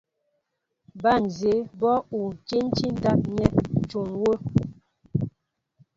Ba nzɛ́ɛ́ bó ú dyɛntí ndáp nɛ́ ǹcʉ́wə́.